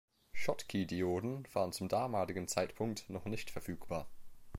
Schottky-Dioden waren zum damaligen Zeitpunkt noch nicht verfügbar.